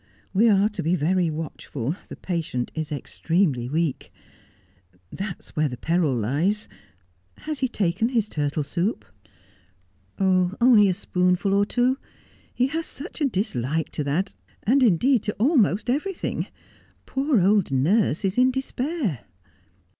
We ar& to be very watchful. The patient is extremely weak. That's where the peril lies. Has he taken his turtle soup V Was Life Worth Living ? 191 * Only a spoonful or two. He has such a dislike to that, and indeed to almost everything. Poor old nurse is in despair.'